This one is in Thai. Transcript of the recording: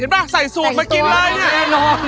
เห็นไหมใส่สูตรมากินเลยนี่